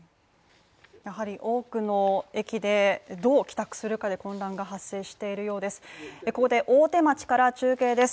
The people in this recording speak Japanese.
やはり多くの駅でどう帰宅するかで混乱が発生しているようです。